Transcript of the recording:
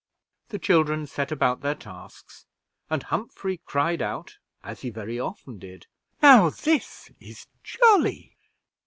The children set about their tasks, and Humphrey cried out, as he very often did, "Now, this is jolly!"